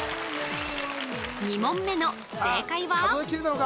２問目の正解は？